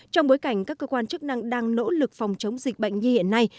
trong bối cảnh các cơ quan chức năng đang nỗ lực phòng chống dịch bệnh như hiện nay